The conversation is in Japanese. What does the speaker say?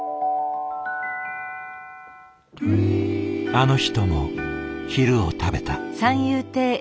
あの人も昼を食べた。